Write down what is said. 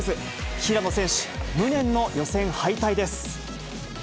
平野選手、無念の予選敗退です。